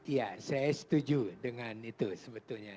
ya saya setuju dengan itu sebetulnya